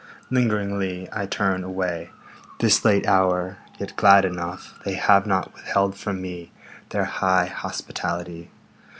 Lingeringly I turn away, This late hour, yet glad enough They have not withheld from me Their high hospitality.